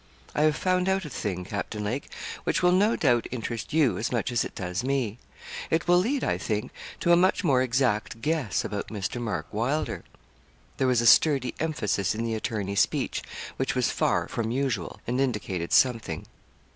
'I have found out a thing, Captain Lake, which will no doubt interest you as much as it does me. It will lead, I think, to a much more exact guess about Mr. Mark Wylder.' There was a sturdy emphasis in the attorney's speech which was far from usual, and indicated something.